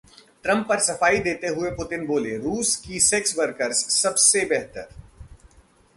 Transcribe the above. Trump पर सफाई देते हुए पुतिन बोले, रूस की सेक्स वर्कर्स सबसे बेहतर!